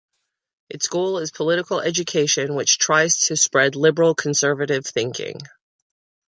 Its goal is political education which tries to spread liberal-conservative thinking.